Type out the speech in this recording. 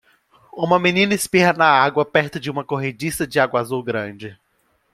Uma menina espirra na água perto de uma corrediça de água azul grande.